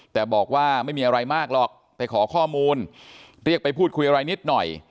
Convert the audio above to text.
แต่บอกว่าไม่มีอะไรมากหรอกไปขอข้อมูลเรียกไปพูดคุยอะไรนิดหน่อย